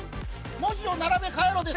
◆文字を並べ替えろです。